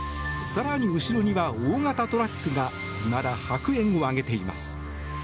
更に後ろには大型トラックがまだ白煙を上げています。